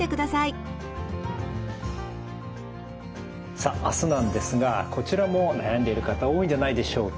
さあ明日なんですがこちらも悩んでいる方多いんじゃないでしょうか。